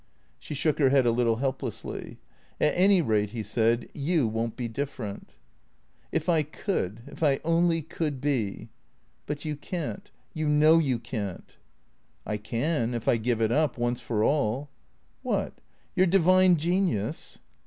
She shook her head a little helplessly. " At any rate," he said, " you won't be different." " If I could — if I only could be "" But you can't. You know you can't." " I can — if I give it up — once for all." " What ? Your divine genius